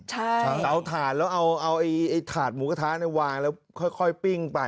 ใช่เอาถ่านแล้วเอาถาดหมูกระทะวางแล้วค่อยปิ้งไป